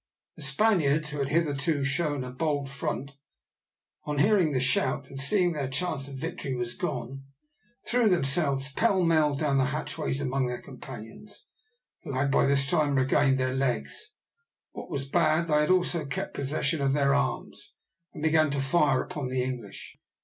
The Spaniards, who had hitherto shown a bold front, on hearing the shout, and seeing that their chance of victory was gone, threw themselves pell mell down the hatchways among their companions, who had by this time regained their legs. What was bad, they had also kept possession of their arms, and began to fire upon the English.